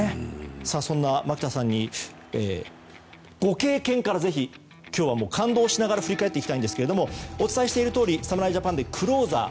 そんな牧田さんにご経験から、ぜひ今日は感動しながら振り返っていきたいんですが侍ジャパンでクローザー